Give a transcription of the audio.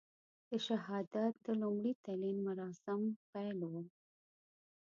د شهادت د لومړي تلین مراسم پیل وو.